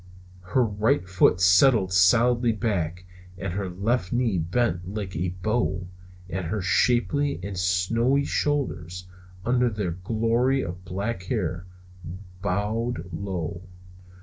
Her right foot settled solidly back, her left knee bent like a bow, her shapely and snowy shoulders, under their glory of black hair, bowed low.